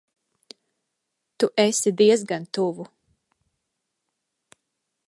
Tu esi diezgan tuvu.